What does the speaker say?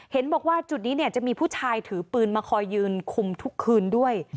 เห็นบอกว่าจุดนี้เนี่ยจะมีผู้ชายถือปืนมาคอยยืนคุมทุกคืนด้วย